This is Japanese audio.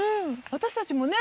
私たちもね